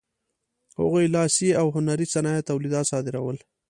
هغوی لاسي او هنري صنایعو تولیدات صادرول.